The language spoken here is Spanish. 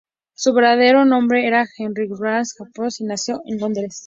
Su verdadero nombre era Henry Alfred Jones, y nació en Londres.